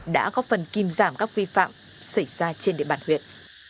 đã góp phần kim giảm các vi phạm xảy ra trên địa bàn huyện